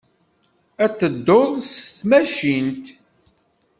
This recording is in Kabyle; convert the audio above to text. Ad tedduḍ s tmacint?